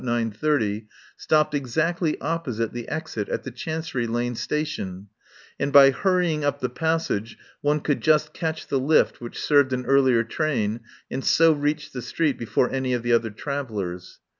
30 stopped exactly opposite the exit at the Chancery Lane Station, and by hurrying up the passage one could just catch the lift which served an earlier train and so reach the street before any of the other trav ellers.